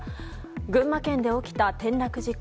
群馬県で起きた転落事故。